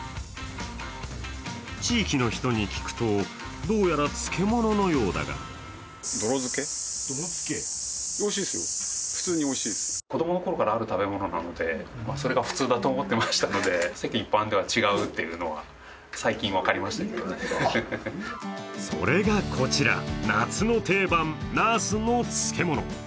地域の人に聞くとどうやら漬物のようだがそれがこちら、夏の定番、なすの漬物。